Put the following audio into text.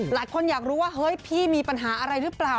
หลายคนอยากรู้ว่าเฮ้ยพี่มีปัญหาอะไรหรือเปล่า